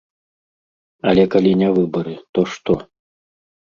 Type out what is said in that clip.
Але калі не выбары, то што?